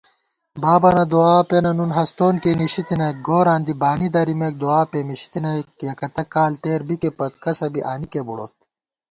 بابَنہ دُعا پېنہ نُن ہستون کېئ نِشِتَنَئیک * گوراں دی بانی درِمېک دُعاپېمېشی تنَئیک یَکَتہ کال تېر بِکےپت کسہ بی آنِکےبُڑوت